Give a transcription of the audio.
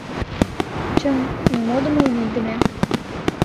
Чыҥ — нимодымо, вийдыме.